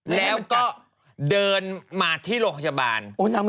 แล้วก็เดินมาที่โรงพยาบาล